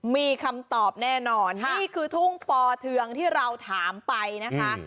มีคำตอบแน่นอนนี่คือทุ่งปอเทืองที่เราถามไปนะคะ